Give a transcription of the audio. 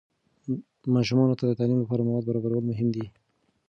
ماشومان ته د تعلیم لپاره مواد برابرول مهم دي.